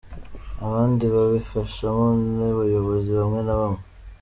Abandi babibafashamo ni abayobozi bamwe na bamwe.